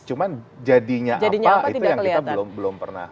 cuma jadinya apa itu yang kita belum pernah